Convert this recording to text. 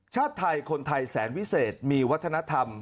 ชาติไทยคนไทยแสนวิเศษมีวัฒนธรรม